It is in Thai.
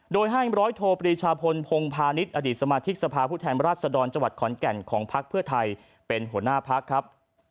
โดยให้๕๐๐โทรปริชาพลพงภานิษฐ์อดีตสมาธิกษภาพผู้แทนราชสะดอนจวัดขอนแก่นของภักดิ์เพื่อไทยเป็นหัวหน้าภักดิ์ครับ